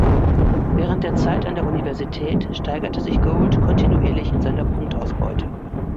Während der Zeit an der Universität steigerte sich Gould kontinuierlich in seiner Punktausbeute.